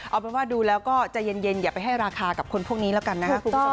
เอาเป็นว่าดูแล้วก็ใจเย็นอย่าไปให้ราคากับคนพวกนี้แล้วกันนะครับคุณผู้ชม